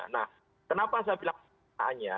nah kenapa saya bilang pertanyaannya